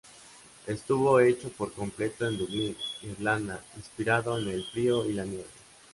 Estuvo hecho por completo en Dublín, Irlanda, inspirado en el frío y la nieve.